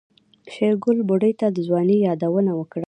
شېرګل بوډۍ ته د ځوانۍ يادونه وکړه.